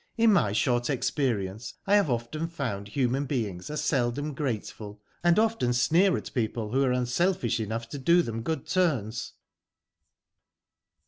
In my short experience, I have often found human beings are seldom grate ful, and often sneer at people who are unselfish enough to do them good turns."